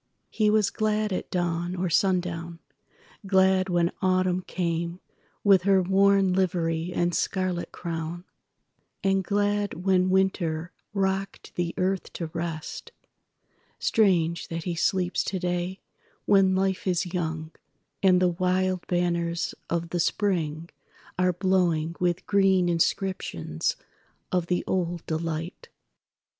He was gladAt dawn or sundown; glad when Autumn cameWith her worn livery and scarlet crown, And glad when Winter rocked the earth to rest. Strange that he sleeps today when Life is young, And the wild banners of the Spring are blowingWith green inscriptions of the old delight."